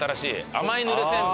甘いぬれ煎餅。